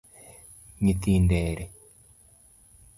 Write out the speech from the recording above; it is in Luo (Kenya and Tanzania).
Nyithindi ere?